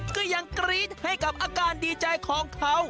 ก็ยังกรี๊ดให้กับอาการดีใจของเขา